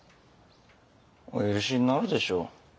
お許しになるでしょう。